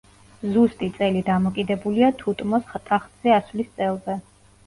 ზუსტი წელი დამოკიდებულია თუტმოს ტახტზე ასვლის წელზე.